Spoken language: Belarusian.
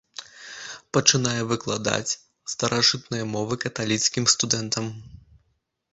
Пачынае выкладаць старажытныя мовы каталіцкім студэнтам.